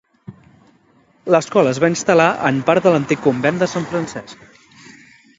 L'escola es va instal·lar en part de l'antic convent de Sant Francesc.